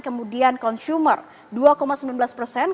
kemudian consumer dua sembilan belas persen